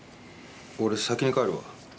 俺先に帰るわ。